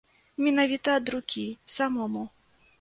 Менавіта ад рукі, самому.